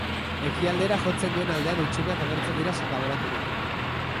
Ekialdera jotzen duen aldean hutsuneak agertzen dira sakabanaturik.